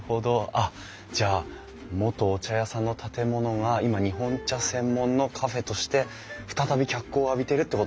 あっじゃあ元お茶屋さんの建物が今日本茶専門のカフェとしてふたたび脚光を浴びてるってことなんですね。